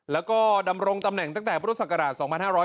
แล้วก็ดำรงตำแหน่งตั้งแต่พุทธศักราช๒๕๖๐